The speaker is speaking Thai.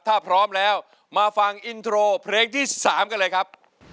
ถ้าพร้อมแล้วมาฟังอินโทรเพลงที่๓กันเลยครับ